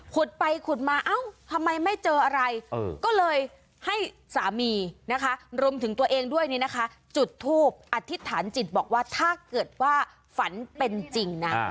ขุดไปขุดมาเอ้าทำไมไม่เจออะไรก็เลยให้สามีนะคะรวมถึงตัวเองด้วยเนี่ยนะคะจุดทูปอธิษฐานจิตบอกว่าถ้าเกิดว่าฝันเป็นจริงนะ